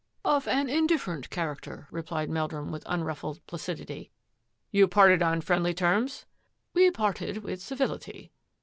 "" Of an indifferent character," replied Meldrum with unruffled placidify. " You parted on friendly terms? "" We parted with civility."